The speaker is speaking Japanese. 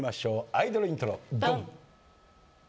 アイドルイントロドン！